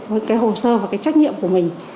với cái hồ sơ và cái trách nhiệm của mình